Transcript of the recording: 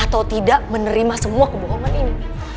atau tidak menerima semua kebohongan ini